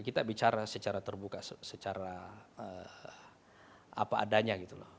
kita bicara secara terbuka secara apa adanya